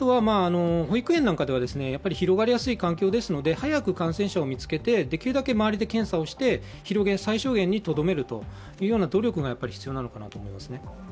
保育園なんかでは広がりやすい環境ですので早く感染者を見つけて、できるだけ周りで検査をして最小限にとどめる努力が必要かなと思います。